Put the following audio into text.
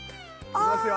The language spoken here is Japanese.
いますよ。